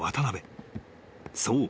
［そう。